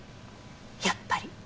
やっぱり。